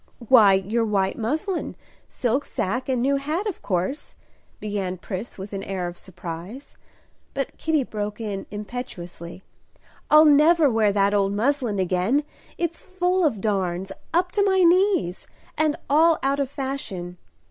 "Why, your white muslin, silk sacque, and new hat, of course," began Pris with an air of surprise. But Kitty broke in impetuously, "I'll never wear that old muslin again; it's full of darns, up to my knees, and all out of fashion.